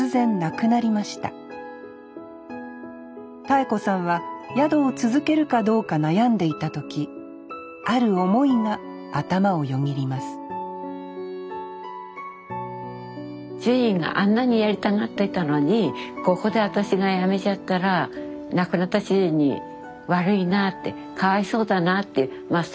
妙子さんは宿を続けるかどうか悩んでいた時ある思いが頭をよぎります主人があんなにやりたがっていたのにここで私がやめちゃったら亡くなった主人に悪いなってかわいそうだなっていうまあ